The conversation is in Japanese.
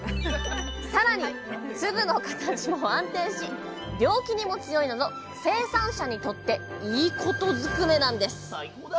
更に粒の形も安定し病気にも強いなど生産者にとっていいことづくめなんです最高だ！